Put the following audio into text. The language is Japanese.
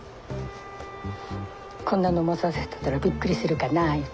こんなの持たせてたらびっくりするかなぁいうて。